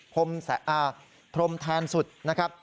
พรมแสนอ่าพรมแทนสุดนะครับ